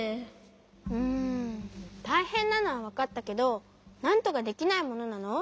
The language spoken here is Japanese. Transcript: うんたいへんなのはわかったけどなんとかできないものなの？